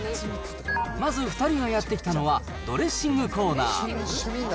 まず２人がやって来たのは、ドレッシングコーナー。